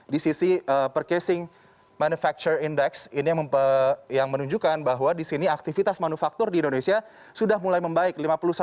di sisi percasing manufacture index ini yang menunjukkan bahwa di sini aktivitas manufaktur di indonesia sudah mulai membaik